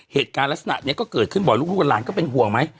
เหตุการณ์ลักษณะนี้ก็เกิดขึ้นบ่อยลูกกับหลานก็เป็นห่วงไหม